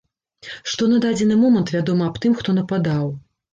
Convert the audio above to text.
Што на дадзены момант вядома аб тым, хто нападаў?